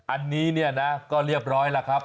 อันนี้เนี่ยนะก็เรียบร้อยแล้วครับ